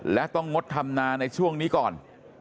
และต้องงดทำนาในช่วงนี้ก่อน